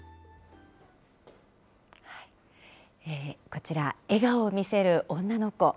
こちら、笑顔を見せる女の子。